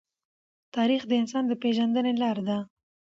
تاریخ د انسان د پېژندنې لار دی.